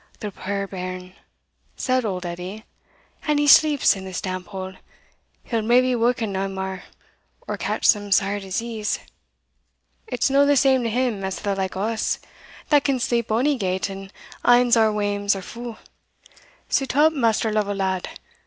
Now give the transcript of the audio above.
"The puir bairn!" said auld Edie, "an he sleeps in this damp hole, he'll maybe wauken nae mair, or catch some sair disease. It's no the same to him as to the like o' us, that can sleep ony gate an anes our wames are fu'. Sit up, Maister Lovel, lad!